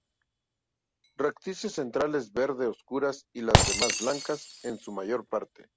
Rectrices centrales verde oscuras y las demás blancas en su mayor parte.